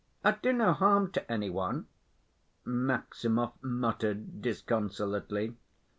"I'd do no harm to any one," Maximov muttered disconsolately.